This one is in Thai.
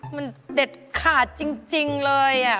มันเด็ดขาดจริงเลย